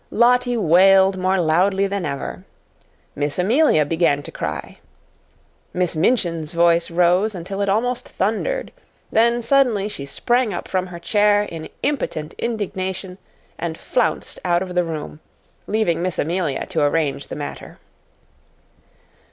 Lottie wailed more loudly than ever. Miss Amelia began to cry. Miss Minchin's voice rose until it almost thundered, then suddenly she sprang up from her chair in impotent indignation and flounced out of the room, leaving Miss Amelia to arrange the matter.